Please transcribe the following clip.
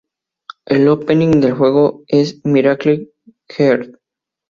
El opening del juego es "Miracle Heart!!